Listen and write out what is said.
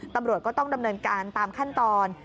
ตำรวจก็ต้องดำเนินการตามขั้นตอน